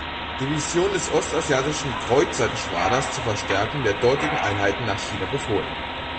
Division des Ostasiatischen Kreuzergeschwaders zur Verstärkung der dortigen Einheiten nach China befohlen.